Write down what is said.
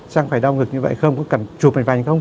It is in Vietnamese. sàng phải đau ngực như vậy không có cần chụp mảnh vành không